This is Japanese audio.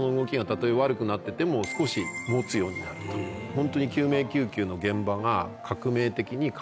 ホントに。